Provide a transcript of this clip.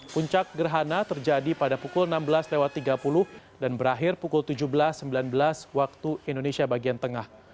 puncak gerhana terjadi pada pukul enam belas tiga puluh dan berakhir pukul tujuh belas sembilan belas waktu indonesia bagian tengah